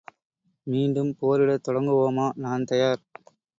மீண்டும் போரிடத் தொடங்குவோமா? நான் தயார்!